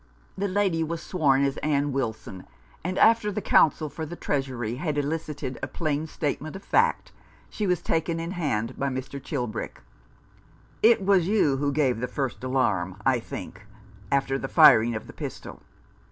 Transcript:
The lady was sworn as Anne Wilson, and after the Counsel for the Treasury had elicited a plain statement of fact, she was taken in hand by Mr. Chilbrick. " It was you who gave the first alarm, I think, after the firing of the pistol